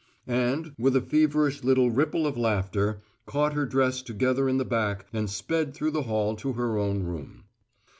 And with a feverish little ripple of laughter, caught her dress together in the back and sped through the hall to her own room.